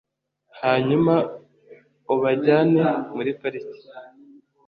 hanyuma ubajyane muri parike